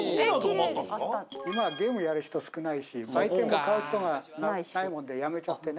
今はゲームやる人少ないし売店も買う人がないもんでやめちゃってね。